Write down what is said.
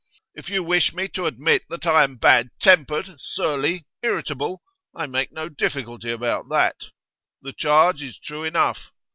'If you wish me to admit that I am bad tempered, surly, irritable I make no difficulty about that. The charge is true enough.